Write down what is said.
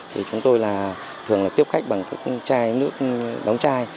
thì chúng tôi là thường là tiếp khách bằng các chai nước đóng chai